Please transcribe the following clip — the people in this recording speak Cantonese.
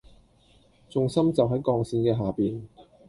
重心就喺鋼線嘅下面